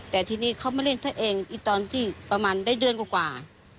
แต่ทีนี้เขามาเล่นซะเองตอนที่ประมาณได้เดือนกว่า